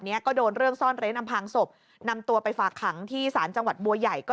เนี้ยก็โดนเรื่องซ่อนเร้นอำพางศพนำตัวไปฝากขังที่ศาลจังหวัดบัวใหญ่ก็